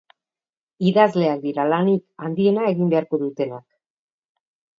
Idazleak dira lanik handiena egin beharko dutenak.